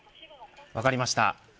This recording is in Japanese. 分かりました。